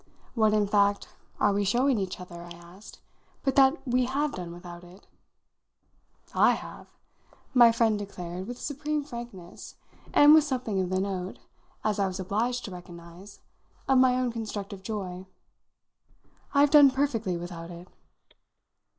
What, in fact, are we showing each other," I asked, "but that we have done without it?" "I have!" my friend declared with supreme frankness and with something of the note, as I was obliged to recognise, of my own constructive joy. "I've done perfectly without it."